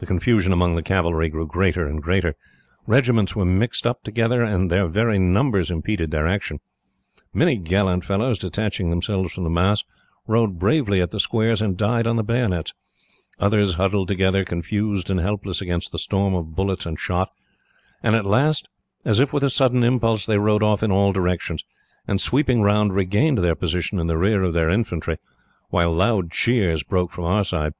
The confusion among the cavalry grew greater and greater. Regiments were mixed up together, and their very numbers impeded their action. Many gallant fellows, detaching themselves from the mass, rode bravely at the squares, and died on the bayonets; others huddled together, confused and helpless against the storm of bullets and shot; and at last, as if with a sudden impulse, they rode off in all directions, and, sweeping round, regained their position in the rear of their infantry, while loud cheers broke from our side.